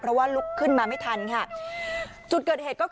เพราะว่าลุกขึ้นมาไม่ทันค่ะ